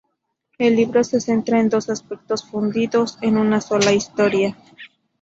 El libro se centra en dos aspectos fundidos en una sola historia.